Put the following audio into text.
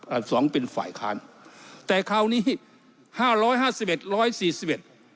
สองเป็นฝ่ายค้านแต่คราวนี้ห้าร้อยห้าสิบเอ็ดร้อยสี่สิบเอ็ด